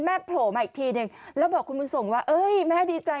โผล่มาอีกทีนึงแล้วบอกคุณบุญส่งว่าเอ้ยแม่ดีใจ